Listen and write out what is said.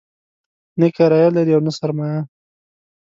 نه کرايه لري او نه سرمایه.